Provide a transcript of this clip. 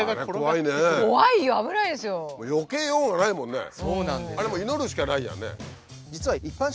あれもう祈るしかないじゃんね。